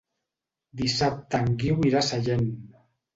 Dissabte en Guiu irà a Sallent.